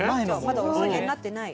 まだお酒になってない。